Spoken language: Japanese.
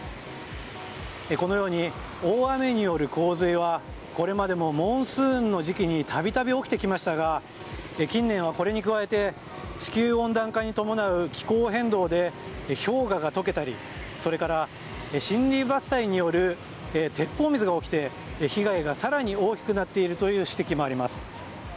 このように大雨による洪水はこれまでもモンスーンの時期に度々起きてきましたが近年はこれに加えて地球温暖化に伴う気候変動で氷河が解けたりそれから森林伐採による鉄砲水が起きて被害が更に大きくなっているという指摘もあります。